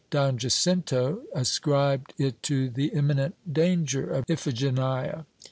Don Jacinto ascribed it to the imminent danger of Iphigenia.